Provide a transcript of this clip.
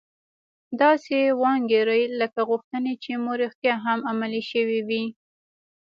داسې وانګيرئ لکه غوښتنې چې مو رښتيا هم عملي شوې وي.